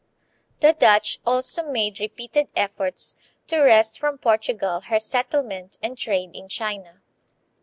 The Dutch also made repeated efforts to wrest from Portugal her settlement and trade in China.